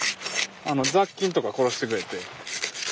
雑菌とか殺してくれて。